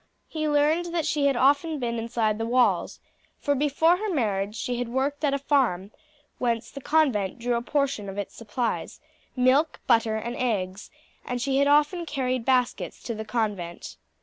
He learned that she had often been inside the walls, for before her marriage she had worked at a farm whence the convent drew a portion of its supplies; milk, butter, and eggs, and she had often carried baskets to the convent.